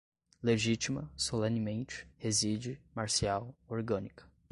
legítima, solenemente, reside, marcial, orgânica